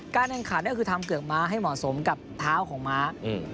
ขันก็คือทำเกือกม้าให้เหมาะสมกับเท้าของม้า